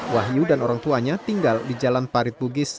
wahyu dan orang tuanya tinggal di jalan parit bugis